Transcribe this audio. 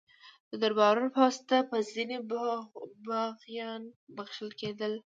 د درباریانو په واسطه به ځینې باغیان بخښل کېدل.